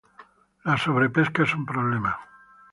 La sobrepesca es un problema.